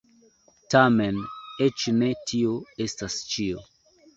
Tamen eĉ ne tio estas ĉio.